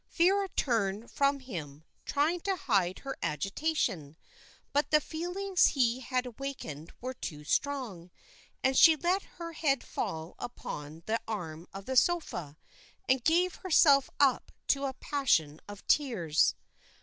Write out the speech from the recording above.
Vera turned from him, trying to hide her agitation, but the feelings he had awakened were too strong, and she let her head fall upon the arm of the sofa, and gave herself up to a passion of tears.